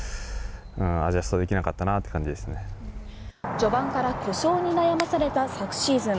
序盤から故障に悩まされた昨シーズン。